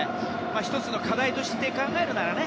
１つの課題として考えるならね